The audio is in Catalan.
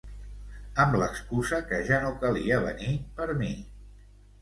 Amb l’excusa que ja no calia venir per mi.